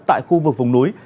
tại khu vực vùng núi